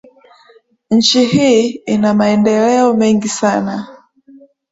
Nchi hii ina maendeleo mengi sana.